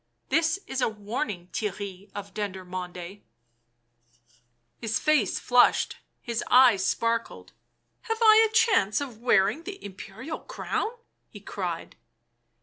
— this is a w r arning, Theirry of Dendermonde !" His face flushed, his eyes sparkled. " Have I a chance of wearing the Imperial crown ?" he cried.